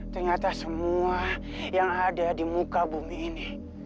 ternyata semua yang ada di muka bumi ini